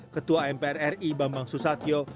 ketua mpr ri bambang susatyo